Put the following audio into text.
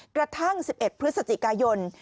กระทั่ง๑๑พฤศจิกายน